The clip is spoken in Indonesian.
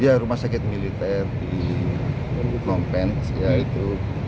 iya rumah sakit militer di kompens ya itu